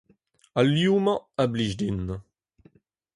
Al liv-mañ a blij din.